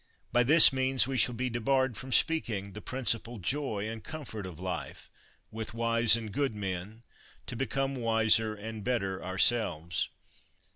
By this means we shall be debarred from speaking — the prin cipal joy and comfort of life — with wise and good men, to become wiser and better ourselves.